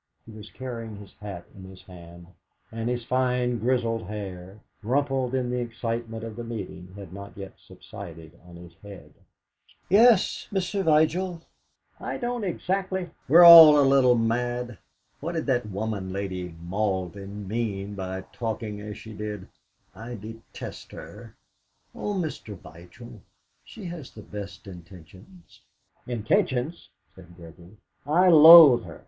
He was carrying his hat in his hand, and his fine grizzled hair, rumpled in the excitement of the meeting, had not yet subsided on his head. "Yes, Mr. Vigil. I don't exactly " "We are all a little mad! What did that woman, Lady Malden, mean by talking as she did? I detest her!" "Oh, Mr. Vigil! She has the best intentions!" "Intentions?" said Gregory. "I loathe her!